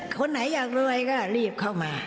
คนไหนอยากรวยก็รีบเข้ามา